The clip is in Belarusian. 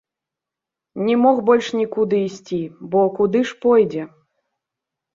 Не мог больш нікуды ісці, бо куды ж пойдзе?